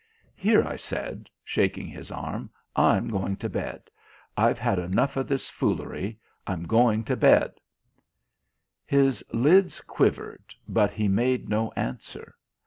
"Here," I said, shaking his arm, "I'm going to bed; I've had enough of this foolery; I'm going to bed." His lids quivered, but he made no answer.